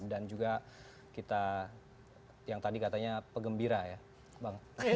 dan juga kita yang tadi katanya pegembira ya